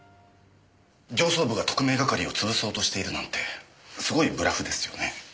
上層部が特命係を潰そうとしているなんてすごいブラフですよね。